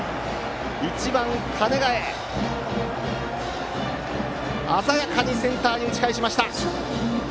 １番、鐘ヶ江が鮮やかにセンターへ打ち返しました。